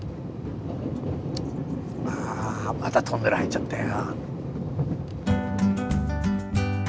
あまたトンネル入っちゃったよ。